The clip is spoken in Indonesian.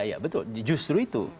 iya betul justru itu